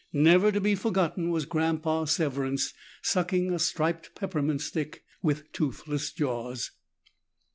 Never to be forgotten was Grandpa Severance, sucking a striped peppermint stick with toothless jaws.